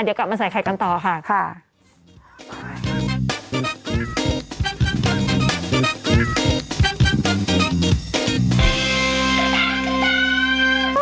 เดี๋ยวกลับมาใส่ไข่กันต่อค่ะค่ะ